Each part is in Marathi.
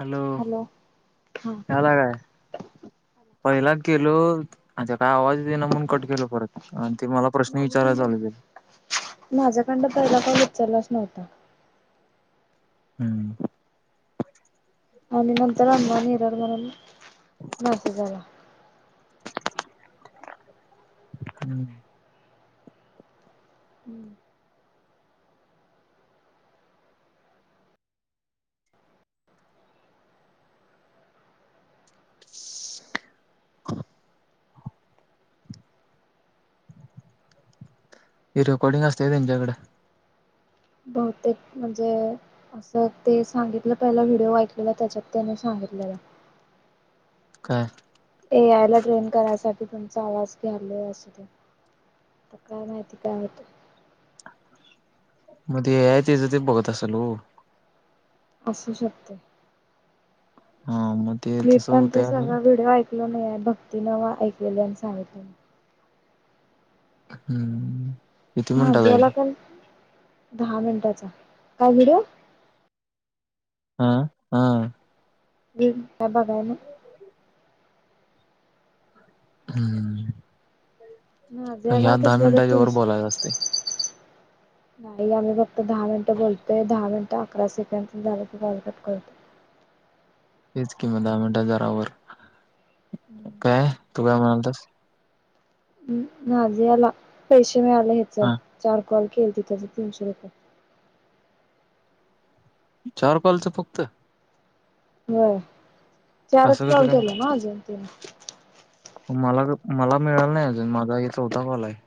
हॅलो हला काय पहिला केलो [inaudible] काय आवाज येइ ना म्हणुन कट केेलो माझ्याकंड माझ्याकंड पहिला कॉल उचलला नव्हता हम्म. आणि नंतर अंबा निरर वरून बस झाला. हम्. हम्म. हे रेकॉडींग असतय तेंच्याकड. बहुतेक म्हणजे असं ते सांगितलं पहिला व्हिडिओ ऐकलेला त्याच्यात त्यांनी सांगितलेलं काय? करायसाठी तुमचा आवाज घ्याले अस काय माहिती काय होतय मग ते एआय त्याचं ते बघत असेल हो असू शकते. हा मग ते मी तसं पण ते होतंय आणि सगळं व्हिडिओ ऐक ऐकलो नाही भक्ती न वा ऐकलेली आणि सांगितलले. हम्म. किती हा मिनिटाच आहे जाला ते काल. दहा मिनिटाचा काय व्हिडिओ हा हा. बिन बघाय ना हम्म. नाझियाला ह्यात दहा कसलं तर मिनटाच्या वर तीनशे बोलायला असते. नाही आ दहा मिनटं बोलतय दहा मिनट आता अकरा सेकड झालं त कॉल कट करतो. हीच किंमत दहा मिनिट हजारावर कायय तू काय म्हणालतस? हम् नाजियांला पेश [unintelligible] येत जा हा चार.. कॉल केली ति त्याच तीनशे रुपये चार कॉलचं फक्त? होय. चारच असं कसं कॉल काय केलं ना जयंतीने मला मला मिळाल नाही अजून माझा हे चौथा कॉल आहे.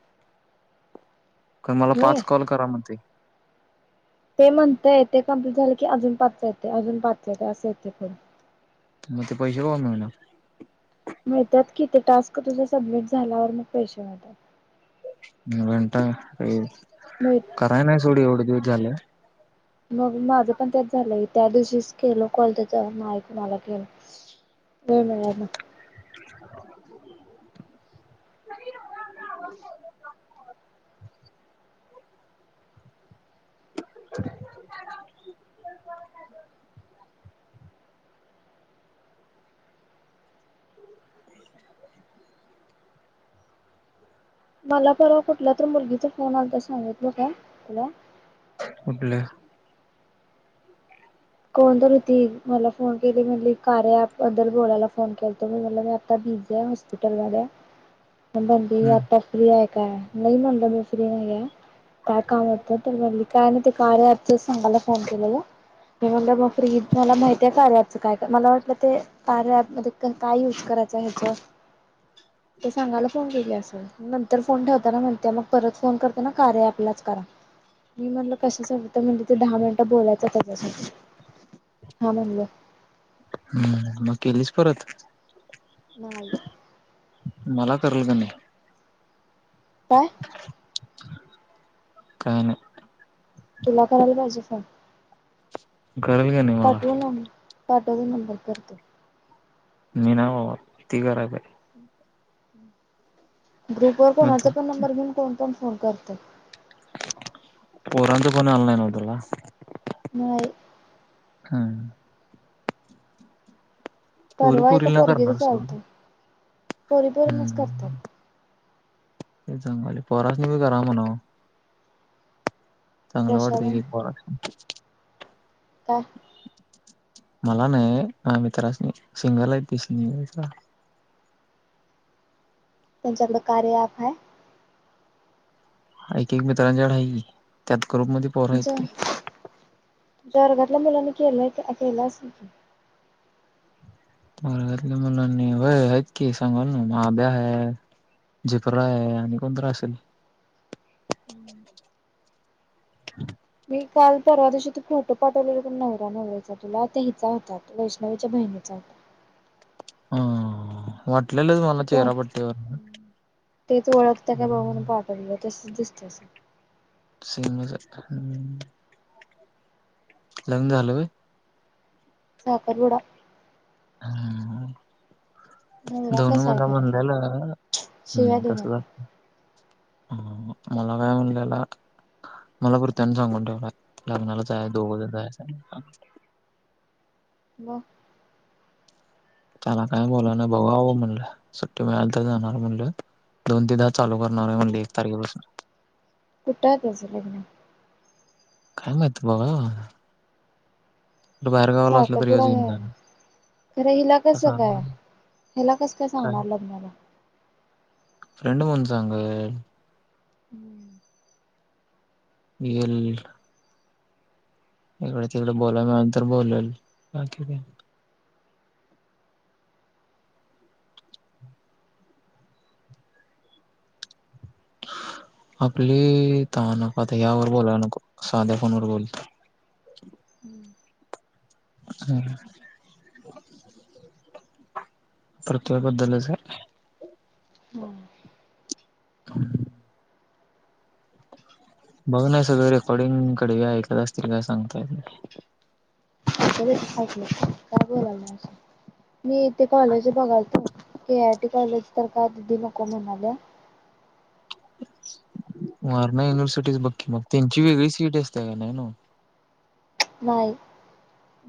मला होय पाच कॉल करा म्हणते. ते म्हणतय य तेे कम्प्लीट झालं की अजून पाच येते अजून पाच येत असं येते खर. मते पैसे कोन भरणार? मिळतात किती टास्क तुझं सबमिट झाल्यावर मग पैसे मिळतात. घंटा रे. मिळ कराय नाही सोड एवढे द झालं. मग माझं पण त्याच झालंय त्या दिवशीच केल कॉल तेच ऐक मला [unintelligible] केलं वेळ मिळाला. [inaudible] [inaudible] [inaudible] मला परवा कुठला तर मुलगीचा फोन आलाता सांगितलं का तुला? कुठल्या? कोण तरी ती मला फोन केली म्हणली कार्या ॲप बद्दल बोलायला फोन केलता मी म्हटलं मी आता बिझी आहे हॉस्पिटल मधे आ पन म्हणली हम्म आता फ्री आहे. काय नाही म्हणलं मी फ्री नाहीये. काय कामात आहे तर म्हणली काय नाही ते कार्या ॲप च सांगायला फोन फोन केलेला. मी म्हणलं मग फ्री मला माहितीेये कार्या ॲप च काय मला वाटल ते कार्या ऍप मध्ये काय युज करायचं ते सांगयला फोन केलेलीअसल नंतर फोन ठेवताना म्हणते मग परत फोन करताना कार्या ऍपलाच करा मी म्हणलं कशासाठी तर म्हटलं ते दहा मिनिटं बोलायचं त्याच्यासाठी. हा म्हणल. हम्म मग केलीस परत? न्हाई. मला करलं की नाइ. काय? काय नाय. तिला करायला पाहिजे फोन? करल की नाही माला. पाठव की नंबर करते. मी नाय बाबा ती घराते. ग्रुप वर मग कोणाचा पण नंबर घेऊन कोण कोण फोन करतय. [unintelligible] पोरांचं कोण आलं नाय नवत ना? न्हाई. हुं. पोरी परवा एका पोरीला करणार पोरग्याचच सोड आलत. पोरी पोरीनाच करतात. तेच सांगणारे पोरांसनी बी करा म्हणाव. चांगल कशाला वाटतंय कि पोरास्नी. काय. मला नाही माझ्या मित्रास नि सिंगल आहे पिस निघयचा. त्यांच्याकड कार्या ॲप हाय. एक एक मित्रांच्या कड हाय की त्यात ग्रुप मध्ये पोर आहेत तुमच्या की. तुमच्या वर्गातल्या मुलांनी केलंय केल असलं की. वर्गातल्या मुलांनी व्हय की सांगालोय नव्ह माध्या आहे, झिपर आहे आणि कोण तर असेल. मी काल परवा दिवशी तो फोटो पाठवलेला पण नवरा नवरी चा तुला तो हिचा होता तो वैष्णवीच्या बहिणीचा होता. ह वाट कोण तेच ओळखत काय बघु म्हनून पाठवलं तेस [unintelligible] [unintelligible] लग्नं झालं होय. साखरपूडा. नवरा दोनू कसा आहे मला खरं तुझा म्हणलेलं हम् शिव्या देऊ तस ह नको मला काय म्हणलेला मला भरत्यानं सांगून ठेवलाय लग्नाला जायचंय दोघजन जायच. मग. त्याला काय बोला नाय भावा होय म्हणलं सुट्टी मिळाल तर जाणार म्हणलं दोन तीन तास चालू करणार हाय म्हणल एक तारखेपासन. कुठं हाय तुझं लग्न? काय माहित. बघा साखरपुडा ह्योच आहे घेऊन आज, जाणार. खरं हिला कसं काय? हिला कसं काय सांगणार लग्नाला? चांगल हाय. हम्म. येल इकडे तिकडे बोलाय नंतर बोलेल बाकी का आपली त नको, आता यावर बोलायला नको साध्या फोनवर बोलत हम, प्रथव्या बद्दलच आहे. हम. [unintelligible] बघ ना सगळे रेकॉर्डिंग करत असतील काय सांगता येत नाही. ऐकू देत ऐकलं तर, काय बोलालय आता? मी इथे कॉलेज बघालतो. के आय टी कॉलेज तर काय दिदी नको म्हणाल्या. वारणा युनिव्हर्सिटीच बघकी मग त्यांची वेगळी सी ई टी असत्या नव्हं. बाय.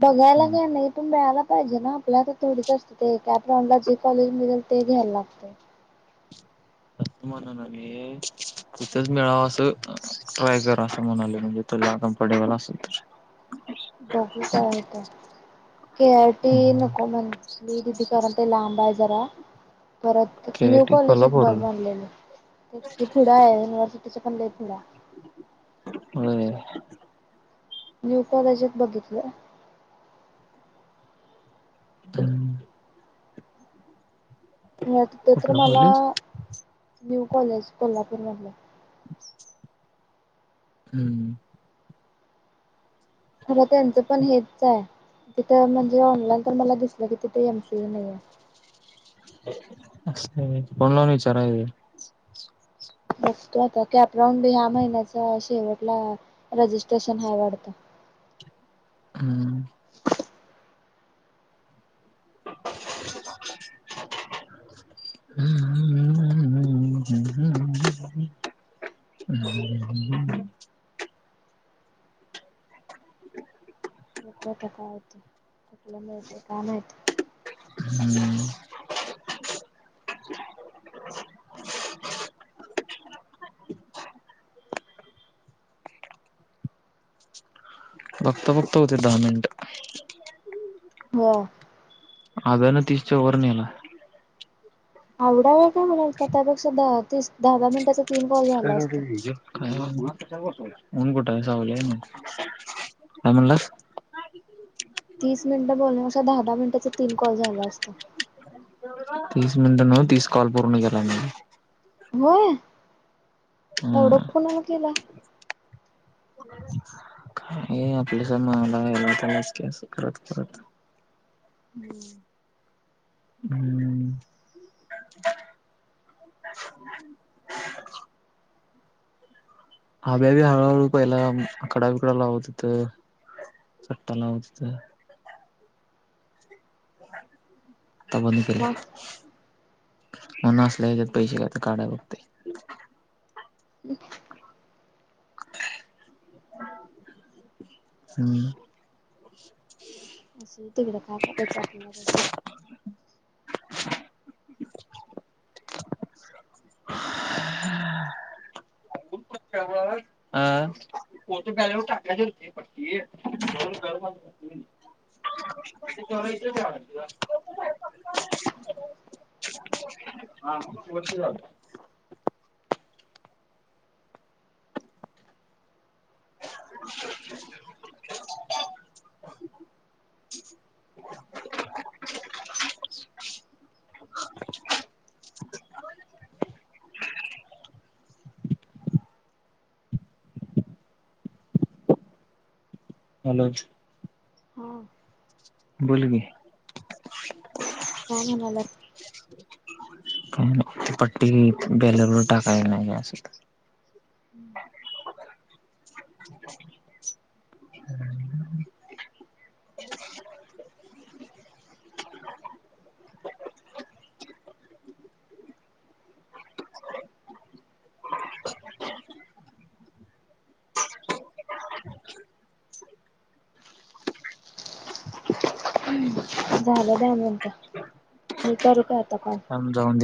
बघायला काय नाही तो मिळायला पाहिजे ना, आपल्या कडे थोडीच असत ते कॅपराऊंडला जे कॉलेज मिळल ते घ्यायला लागतेय. असं म्हणणा मी तिथच मिळावं असं ट्राय कर असं म्हणालोय म्हणजे तुला कम्फर्टेबल असल बघु काय होतंय के आर टी नको म्हणली दीदी कारण, ते लांब हाय जरा. परत K I new T college एक कोल्हापूर बघ म्हणलेली तेच की पुढं हाय, युनिव्हर्सिटीच्या पण लय पुढं हाय. होय न्यू कॉलेजात बघितलं. हम. मग ते तर मला कॉलेज न्यू कॉलेज कोल्हापूरमधलं. हम्म. खर त्यांचं पण हेच हाय तिथं म्हणजे ऑनलाईन पण मला दिसलं की तिथ एम सी ए नाही हाय. फोन लावुन विचारायचं. बसतो आता. कॅपराऊंड ह्या महिन्यात शेवटला रजिस्ट्रेशन हाय वाढत. हम्म [inaudible] ह ह हह हह ह [unintelligible] [inaudible] बघु आता काय होतंय आपला मिळते काय माहित [inaudible] बघता बघता होतयात दहा मिनिटं वाव अब्यान तीसच्या वर नेलाय आवडाय [unintelligible] तेच दहा दहा मिनिटाच [unintelligible] ऊन कुठाय सावली हाय न्हव काय म्हणलास? तीस मिनिटं बोलण्या पेक्षा दहा दहा मिनिटाचा तीन कॉल झाल असत तीस मिनिट नव तीस कॉल पूर्ण केलाय होय एवढ हम्म कोणाला केलाय [unintelligible] परत परत हम्म हम् [inaudible] अभ्या बी हळूहळू पहिला आकडाबिकडा लावत होत सट्टा लावत होतं. [inaudible] आता बंद मग केलाय. म्हणून असल्या याच्यात पैसे का काढाय बघतोय [inaudible] [inaudible] [inaudible] हम् [inaudible] असुन तिकड काय करायचय अपल्याला [unintelligible] [inaudible] हॅलो हां बोल की का म्हणाल्यास. काय नाही पट्टी बॅलर वर टाकायच नई काय अस तस [inaudible] [inaudible] [inaudible] झालं दहा मिनिट मी करू काय आता कॉल? थांब [unintelligible] अजून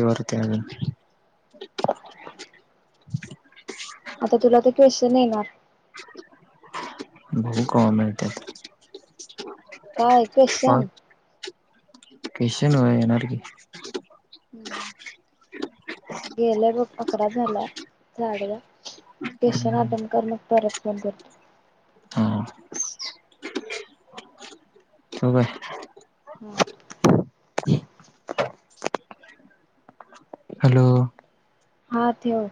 अता तुला ते कवेश्चन येणार बघु कवा मिळात्यात. काय क्वेश्चन? [unintelligible] हा [unintelligible] [unintelligible] [inaudible] हॅलो हा त्यो.